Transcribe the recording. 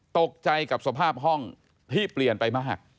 ตกใจกับสภาพห้องที่เปลี่ยนไปมาก